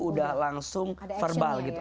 udah langsung verbal gitu